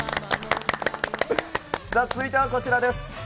続いてはこちらです。